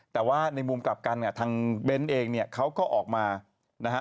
แต่ว่าในมุมกลับกันเนี่ยทางเบ้นเองเนี่ยเขาก็ออกมานะฮะ